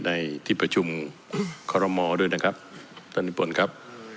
คุยในที่ประชุมคอรมมอร์ด้วยนะครับท่านญี่ปุ่นครับ